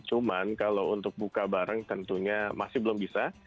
cuman kalau untuk buka bareng tentunya masih belum bisa